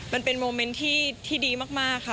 มันเป็นโมเมนต์ที่ดีมากค่ะ